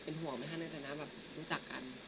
เป็นห่วงเลยเนอะแต่รู้จักกัน